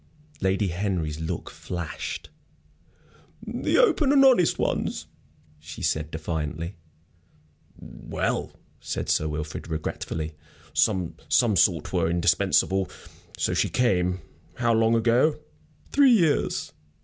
Lady Henry's look flashed. "The open and honest ones," she said, defiantly. "Well," said Sir Wilfrid, regretfully, "some sort were indispensable. So she came. How long ago?" "Three years.